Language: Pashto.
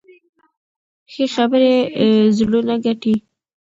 ښې خبرې زړونه ګټي.